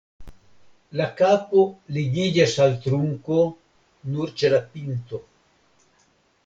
La kapo ligiĝas al trunko nur ĉe la pinto.